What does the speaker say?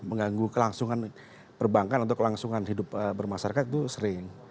mengganggu kelangsungan perbankan atau kelangsungan hidup bermasyarakat itu sering